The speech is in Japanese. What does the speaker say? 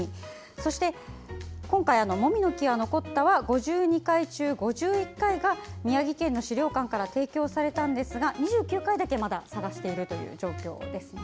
そして、今回「樅ノ木は残った」は５２回中５１回が宮城県の資料館から提供されたんですが２９回だけまだ探している状況ですね。